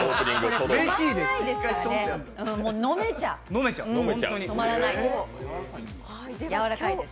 止まらないですからね、飲めちゃう、やわらかいです。